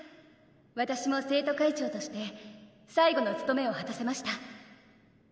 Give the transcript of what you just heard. わたしも生徒会長として最後のつとめをはたせました